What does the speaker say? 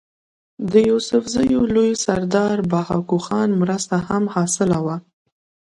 د يوسفزو لوئ سردار بهاکو خان مرسته هم حاصله وه